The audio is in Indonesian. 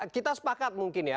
kita sepakat mungkin ya